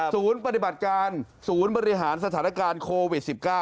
ศูนย์ปฏิบัติการศูนย์บริหารสถานการณ์โควิด๑๙